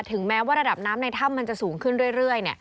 แม้ว่าระดับน้ำในถ้ำมันจะสูงขึ้นเรื่อย